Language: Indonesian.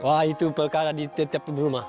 wah itu perkara di rumah